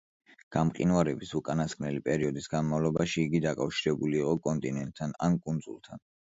გამყინვარების უკანასკნელი პერიოდის განმავლობაში იგი დაკავშირებული იყო კონტინენტთან ან კუნძულთან.